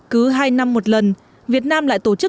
cứ hai năm một lần việt nam lại tổ chức kỳ thi này